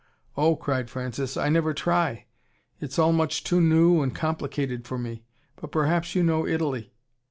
"Oh," cried Francis. "I never try. It's all much too new and complicated for me. But perhaps you know Italy?"